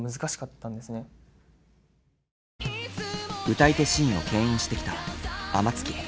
歌い手シーンを牽引してきた天月−あまつき−。